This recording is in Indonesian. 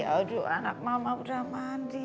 aduh anak mama udah mandi